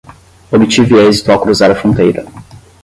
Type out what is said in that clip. Obtive êxito ao cruzar a fronteira